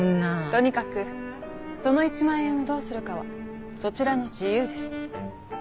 とにかくその１万円をどうするかはそちらの自由です。